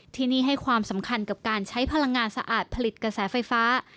ที่นี่ให้ความสำคัญกับการใช้พลังงานสะอาดผลิตกระแสไฟฟ้า